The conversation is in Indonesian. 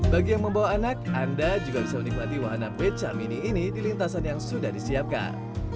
bagi yang membawa anak anda juga bisa menikmati wahana beca mini ini di lintasan yang sudah disiapkan